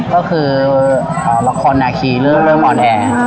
ก็คือละครนาคีเริ่มออนแอร์